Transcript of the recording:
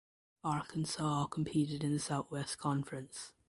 Arkansas competed in the Southwest Conference.